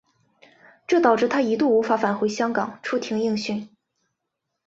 这导致他一度无法返回香港出庭应讯。